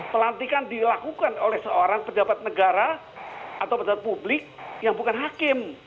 pelantikan dilakukan oleh seorang pejabat negara atau pejabat publik yang bukan hakim